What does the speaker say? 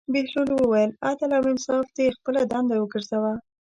بهلول وویل: عدل او انصاف دې خپله دنده وګرځوه.